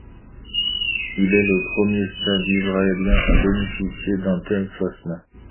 Il est le premier stade israélien à bénéficier d'une tel classement.